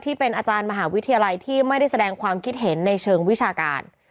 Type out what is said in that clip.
ที่เป็นอาจารย์มหาวิทยาลัยที่ไม่ได้แสดงความคิดเห็นในเชิงวิชาการ